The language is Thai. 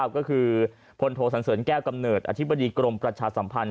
ก็คือพลโทสันเสริญแก้วกำเนิดอธิบดีกรมประชาสัมพันธ